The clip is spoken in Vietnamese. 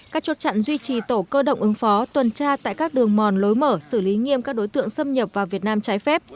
các chốt chặn duy trì tổ cơ động ứng phó tuần tra tại các đường mòn lối mở xử lý nghiêm các đối tượng xâm nhập vào việt nam trái phép